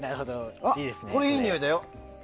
これはいいにおいだよ。